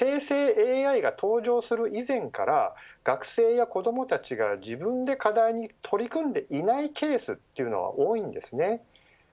ただ、生成ＡＩが登場する以前から学生や子どもたちが自分で課題に取り組んでいないケースというのは多いんですね。